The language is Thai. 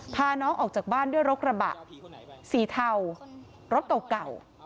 พาน้องออกจากบ้านด้วยรถกระบะสีเทารถเก่า